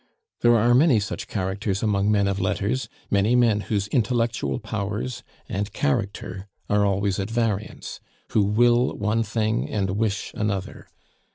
There are many such characters among men of letters, many men whose intellectual powers and character are always at variance, who will one thing and wish another.